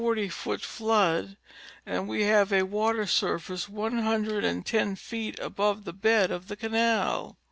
this a 40 foot flood and we have a water surface one hundred and ten feet above the bed of the canal.